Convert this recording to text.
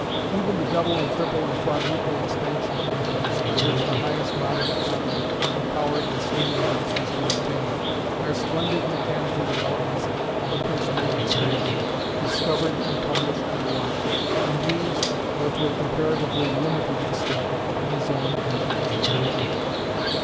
Even the double and triple and quadruple expansion engines, by which the highest modern economy for power and steam engines has been obtained, are splendid mechanical developments of the principle of expansion, discovered and published by Watt, and used, though to a comparatively limited extent, in his own engines.